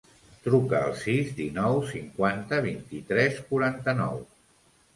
Truca al sis, dinou, cinquanta, vint-i-tres, quaranta-nou.